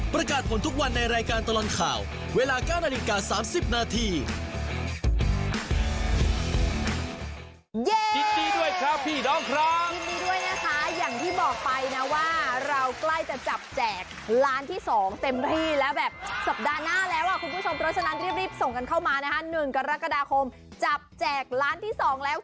ประกาศผลทุกวันในรายการตลอดข่าวเวลา๙นาฬิกา๓๐นาที